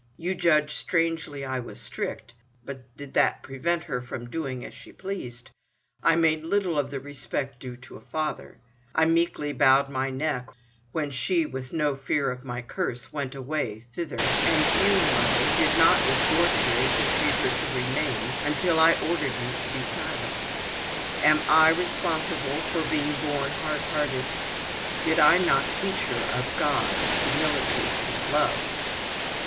You judge strangely——I was strict, but did that prevent her from doing as she pleased? I made little of the respect due to a father; I meekly bowed my neck, when she, with no fear of my curse, went away—thither. And you——mother——did not you with tears entreat her to remain, until I ordered you to be silent. Am I responsible for her being born hard hearted? Did I not teach her of God, of humility, and of love?"